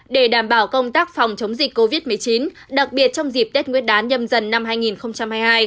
để đảm bảo công tác phòng chống dịch covid một mươi chín đặc biệt trong dịp tết nguyên đán nhâm dần năm hai nghìn hai mươi hai